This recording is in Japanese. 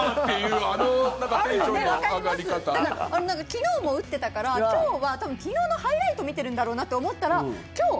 昨日も打ってたから今日は昨日のハイライト見てるんだろうなって思ったら今日！